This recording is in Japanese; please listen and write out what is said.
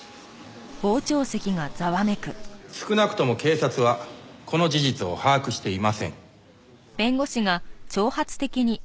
少なくとも警察はこの事実を把握していません。